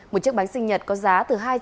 một chiếc bánh sinh nhật có giá từ